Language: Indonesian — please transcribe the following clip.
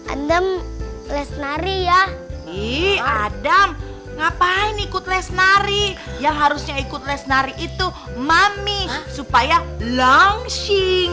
adam lesnari ya i adam ngapain ikut lesnari yang harusnya ikut lesnari itu mami supaya langsing